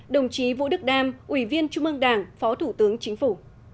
đồng chí vũ đức đam ủy viên trung ương đảng phó thủ tướng chính phủ